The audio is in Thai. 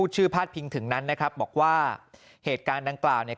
พาดพิงถึงนั้นนะครับบอกว่าเหตุการณ์ดังกล่าวเนี่ย